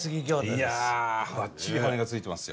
いやバッチリ羽根がついてますよ。